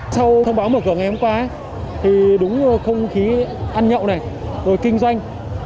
sau thông báo mở cửa ngày hôm qua thì đúng không khí ăn nhậu này rồi kinh doanh